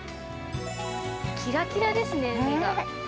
きらきらですね、海が。